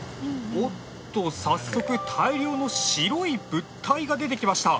おっと早速大量の白い物体が出てきました。